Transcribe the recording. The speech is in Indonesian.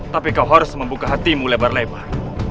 tapi kau harus membuka hatimu lebar lebar